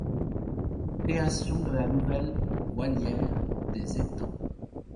Création de la nouvelle volière des étangs.